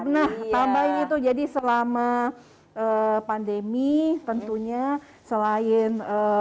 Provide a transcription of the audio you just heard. nah tambahin itu jadi selama pandemi tentunya selain